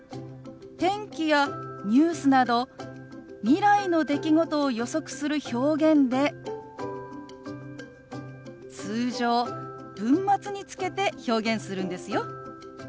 天気やニュースなど未来の出来事を予測する表現で通常文末につけて表現するんですよ。